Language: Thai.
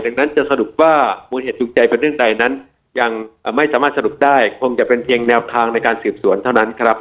ดังนั้นจะสรุปว่ามูลเหตุจูงใจเป็นเรื่องใดนั้นยังไม่สามารถสรุปได้คงจะเป็นเพียงแนวทางในการสืบสวนเท่านั้นครับ